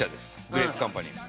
グレープカンパニーの。